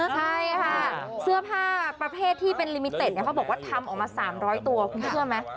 ใช่ค่ะเสื้อผ้าประเภทที่เป็นลิมิเต็ดเขาบอกว่าทำออกมา๓๐๐ตัวคุณเชื่อไหม